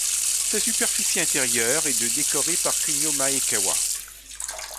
Sa superficie intérieure de est décorée par Kunio Maekawa.